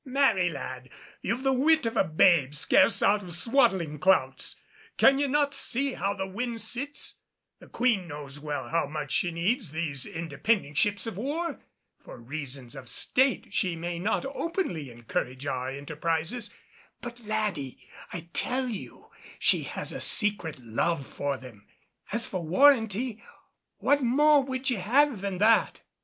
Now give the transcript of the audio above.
"Marry, lad, you've the wit of a babe scarce out of swaddling clouts. Can ye not see how the wind sits? The Queen knows well how much she needs these independent ships of war. For reasons of state she may not openly encourage our enterprises; but, laddie, I tell you she has a secret love for them. As for warranty, what more would ye have than that?"